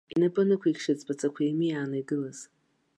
Инапы нықәикшеит зԥаҵақәа еимиааны игылаз.